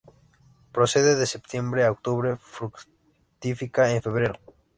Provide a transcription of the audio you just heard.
Florece de septiembre a octubre; fructifica en febrero.